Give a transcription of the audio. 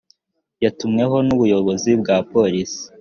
yatumweho n’ubuyobozi bwa polisi